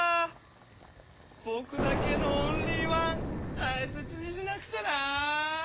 ぼくだけのオンリーワンたいせつにしなくちゃな。